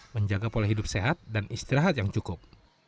menjaga pola hidup sehat dan istirahat yang cukup